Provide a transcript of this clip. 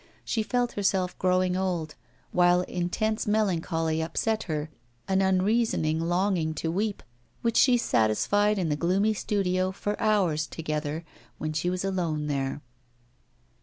She felt herself growing old, while intense melancholy upset her, an unreasoning longing to weep, which she satisfied in the gloomy studio for hours together, when she was alone there.